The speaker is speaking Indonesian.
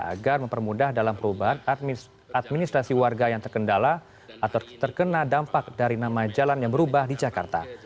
agar mempermudah dalam perubahan administrasi warga yang terkendala atau terkena dampak dari nama jalan yang berubah di jakarta